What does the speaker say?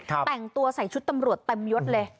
แต่งตัวใส่ชุดตำรวจเต็มยดเลย